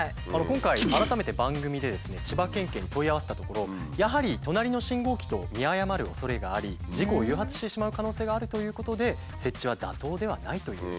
今回改めて番組でですね千葉県警に問い合わせたところやはり「隣の信号機と見誤る恐れがあり事故を誘発してしまう可能性がある」ということで設置は妥当ではないという。